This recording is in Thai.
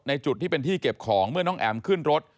จุดที่เป็นที่เก็บของเมื่อน้องแอ๋มขึ้นรถ